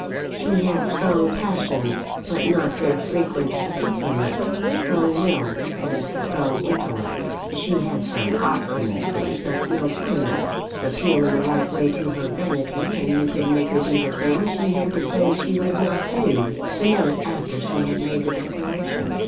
"She had strong passions, but not their frequent accompaniment strong will, and strong intellect. She had some obstinacy, but no firmness. Appeal in the right way to her vanity, and you could make her do the thing she had declared she would not do, the minute after she had made the declaration.